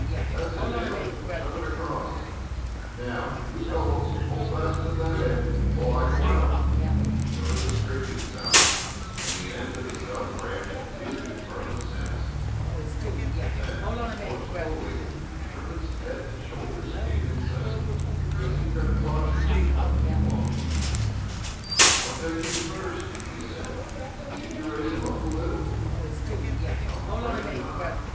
That's it, Dale. Shove it across. Now, you fellows hold fast to that end while I go out." There was a scraping sound and the end of a stout branch appeared in front of Sanson. Then, more slowly, Sherman's head and shoulders came in sight as he crept cautiously out along it. "I'll take him first," he said. "Can you raise him up a little?" "I'm afraid not.